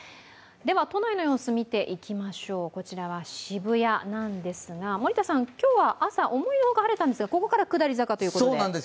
では都内の様子、見ていきましょうこちらは渋谷なんですが今日は朝、思いのほか晴れたんですがここから下り坂ということで？